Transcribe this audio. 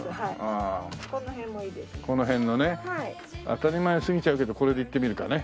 当たり前すぎちゃうけどこれでいってみるかね。